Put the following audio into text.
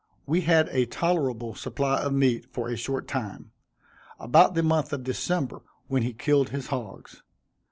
We had a tolerable supply of meat for a short time, about the month of December, when he killed his hogs.